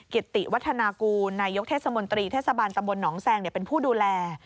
กิติวัฒนากูลนายกเทศมนตรีเทศบาลตำบลหนองแซงเป็นผู้ดูแล